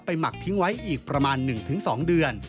หมักทิ้งไว้อีกประมาณ๑๒เดือน